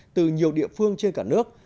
từ nhiều địa phương trên cả nước